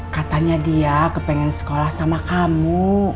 katanya dia kepengen sekolah sama kamu